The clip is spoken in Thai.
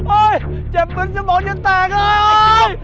โอ้ยแจ็บเหมือนสมองฉันแตกเลย